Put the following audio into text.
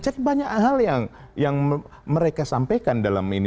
cek banyak hal yang mereka sampaikan